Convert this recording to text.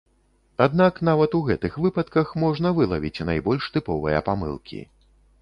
Аднак нават у гэтых выпадках можна вылавіць найбольш тыповыя памылкі.